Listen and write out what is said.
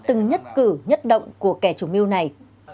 từng nhất cử nhất động của kẻ chủ mưu này